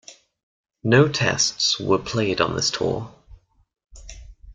No Tests were played on this tour.